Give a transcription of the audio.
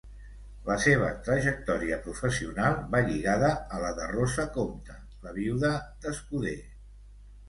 La seva trajectòria professional va lligada a la de Rosa Compte, la viuda d'Escuder.